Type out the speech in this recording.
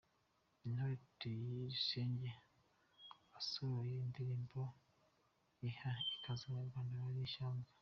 Intore Tuyisenge yasohoye indirimbo iha ikaze Abanyarwanda bari ishyanga